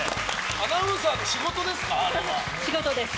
アナウンサーの仕事ですか？